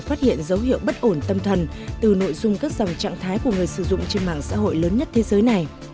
phát hiện dấu hiệu bất ổn tâm thần từ nội dung các dòng trạng thái của người sử dụng trên mạng xã hội lớn nhất thế giới này